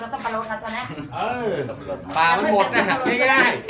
เรื่องกับสับปะโรดนะจ๊ะเนี่ย